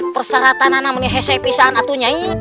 perseratan anak ini hesepisan atuh nyai